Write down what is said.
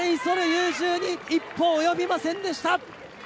ー１２、一歩及びませんでした。